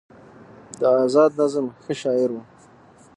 د ازاد نظم ښه شاعر و